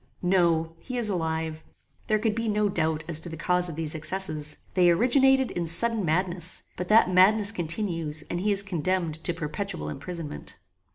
"No. He is alive. There could be no doubt as to the cause of these excesses. They originated in sudden madness; but that madness continues. and he is condemned to perpetual imprisonment."